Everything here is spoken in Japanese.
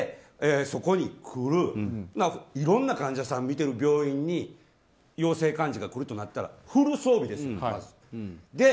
そこに来るいろんな患者さんを診てる病院に陽性患者が来るとなったらフル装備ですよ、まず。